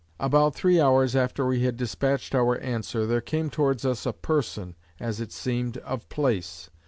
About three hours after we had dispatched our answer, there came towards us a person (as it seemed) of place.